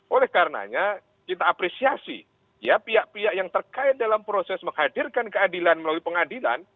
oleh karenanya kita apresiasi ya pihak pihak yang terkait dalam proses menghadirkan keadilan melalui pengadilan